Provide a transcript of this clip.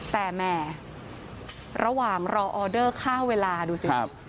แต่แหม่ระหว่างรอออเดอร์ค่าเวลาดูสิ